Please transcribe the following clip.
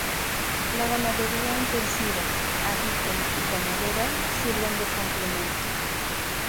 La ganadería intensiva, avícola y ganadera, sirven de complemento.